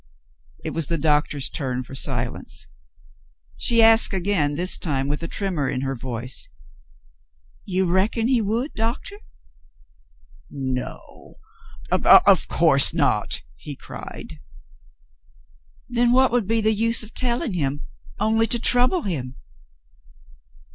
'^" It was the doctor's turn for silence. She asked again, this time with a tremor in her voice. "You reckon he would, Doctor?" "No ! Of — of course not," he cried. "Then what would be the use of telling him, only to trouble him